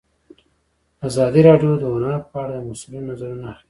ازادي راډیو د هنر په اړه د مسؤلینو نظرونه اخیستي.